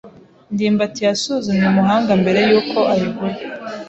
ndimbati yasuzumye umuhanga mbere yuko ayigura.